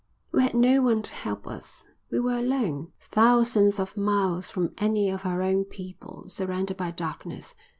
"We had no one to help us. We were alone, thousands of miles from any of our own people, surrounded by darkness.